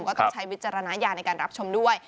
ต้องใช้วิจารณญาณในการรับชมด้วย